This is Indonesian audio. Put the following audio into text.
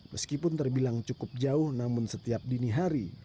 meskipun terbilang cukup jauh namun setiap dini hari